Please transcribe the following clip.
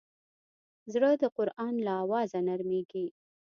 زړه د قرآن له اوازه نرمېږي.